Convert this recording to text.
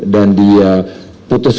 dan dia putus